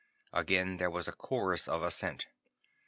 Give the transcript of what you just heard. Again there was a chorus of assent.